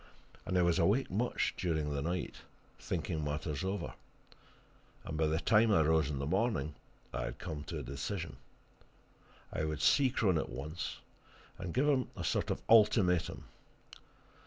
And I was awake much during the night, thinking matters over, and by the time I rose in the morning I had come to a decision. I would see Crone at once, and give him a sort of an ultimatum.